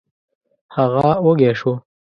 هغه وږی شو.